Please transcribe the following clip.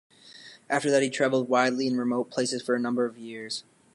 After that he travelled widely in remote places for a number of years.